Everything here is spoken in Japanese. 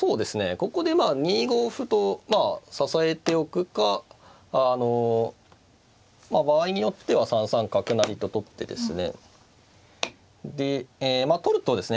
ここでまあ２五歩とまあ支えておくかあの場合によっては３三角成と取ってですねでまあ取るとですね